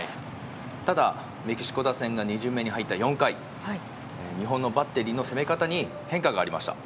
ただ、メキシコ打線が２巡目に入った４回日本のバッテリーの攻め方に変化がありました。